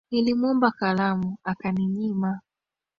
Nilimwomba kalamu akaninyima